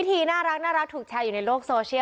พะอ่อกูมาไทเจดี